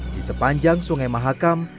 di sepanjang sungai mahakam